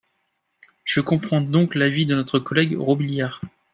Je comprends donc l’avis de notre collègue Robiliard.